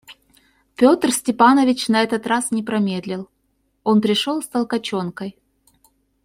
Петр Степанович на этот раз не промедлил; он пришел с Толкаченкой.